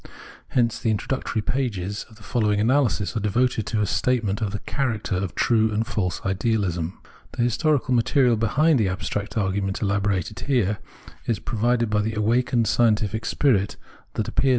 Hence the introductory pages of the following analysis are devoted to a statement of the character of true and false idealism. The historical material behind the abstract argument elaborated here is provided by the awakened scientific spirit that appeared after the * Cp.